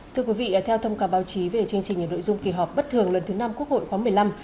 thưa quý vị theo thông cáo báo chí về chương trình ở nội dung kỳ họp bất thường lần thứ năm quốc hội khoáng một mươi năm